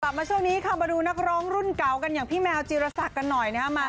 มาช่วงนี้ค่ะมาดูนักร้องรุ่นเก่ากันอย่างพี่แมวจีรศักดิ์กันหน่อยนะครับ